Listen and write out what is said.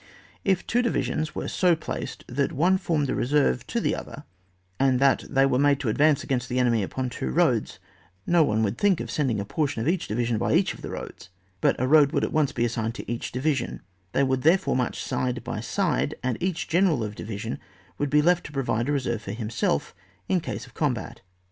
If two divisions were so placed that one formed the reserve to the other, and that they were to advance against the enemy upon two roads, no one would think of sending a portion of each divi sion by each of the roads, but a road wotdd at once be assigned to each divi sion ; they would therefore march side by side, and each general of division would be left to provide a reserve for himself in case of a combat.